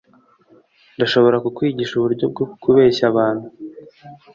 ndashobora kukwigisha uburyo bwo kubeshya abantu